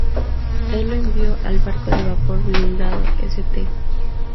Él lo envió al barco de vapor blindado "St.